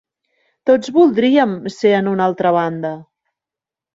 Tots voldríem ser en una altra banda.